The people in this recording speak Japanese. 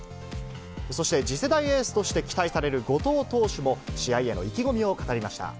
そして、次世代エースとして期待される後藤投手も、試合への意気込みを語りました。